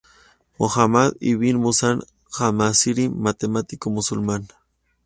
Muhammad ibn Musa al-Jwarizmi, matemático musulmán.